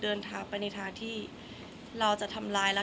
คนเราถ้าใช้ชีวิตมาจนถึงอายุขนาดนี้แล้วค่ะ